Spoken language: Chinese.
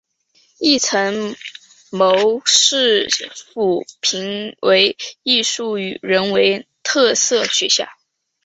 亦曾蒙市府评为艺术与人文特色学校。